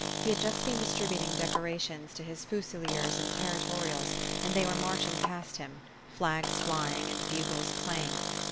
He had just been distributing decorations to his fusiliers and territorials, and they were marching past him, flags flying and bugles playing.